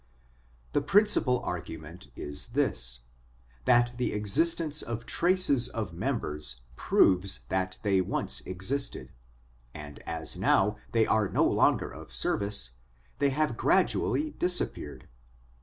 The principal argument is this : that the existence of traces of members proves that they once existed ; and as now they are no longer of service, they have gradually dis appeared.